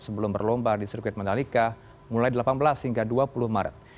sebelum berlomba di sirkuit mandalika mulai delapan belas hingga dua puluh maret